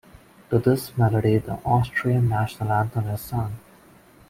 To this melody the Austrian national anthem is sung.